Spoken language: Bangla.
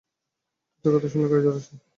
তোদের কথা শুনলে গায়ে জ্বর আসে।